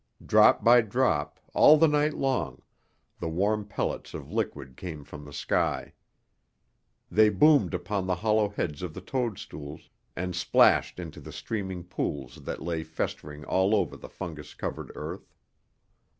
Drop by drop, all the night long, the warm pellets of liquid came from the sky. They boomed upon the hollow heads of the toadstools, and splashed into the steaming pools that lay festering all over the fungus covered earth.